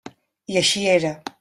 I així era.